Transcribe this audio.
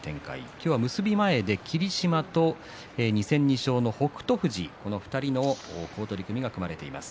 今日は結び前で霧島と２戦２勝の北勝富士この２人の取組が組まれています。